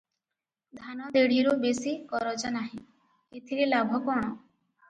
ଧାନ ଦେଢ଼ିରୁ ବେଶି କରଜା ନାହିଁ, ଏଥିରେ ଲାଭ କଣ?